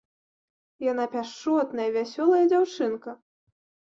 Яна пяшчотная, вясёлая дзяўчынка.